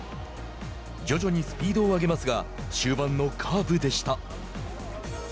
徐々にスピードを上げますが終盤のカーブでした。